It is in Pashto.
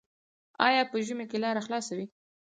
آیا په ژمي کې لاره خلاصه وي؟